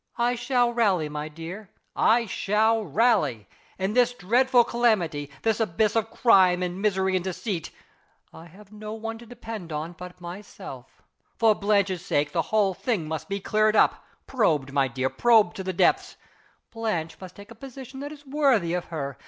I shall rally, my dear; I shall rally! In this dreadful calamity this abyss of crime and misery and deceit I have no one to depend on but myself. For Blanche's sake, the whole thing must be cleared up probed, my dear, probed to the depths. Blanche must take a position that is worthy of her.